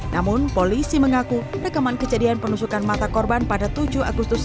namun polisi mengaku rekaman kejadian penusukan mata korban pada tujuh agustus